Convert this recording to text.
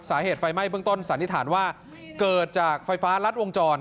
สาเหตุไฟไหม้เบื้องต้นสันนิษฐานว่าเกิดจากไฟฟ้ารัดวงจร